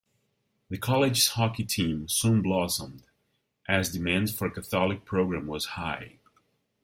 The college's hockey team soon blossomed, as demand for a Catholic program was high.